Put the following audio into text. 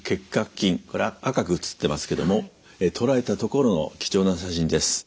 これ赤く写ってますけども捉えたところの貴重な写真です。